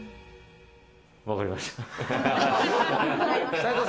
分かりました！